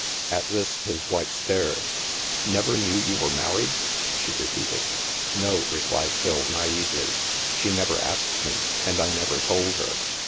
At this, his wife stared. " Never kijew you were married? " she repeated. " No," replied Phil naively. " She nevjer asked me, and I never told her.